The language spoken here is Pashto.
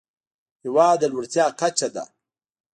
هېواد د لوړتيا کچه ده.